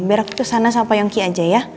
biar aku kesana sama payongki aja ya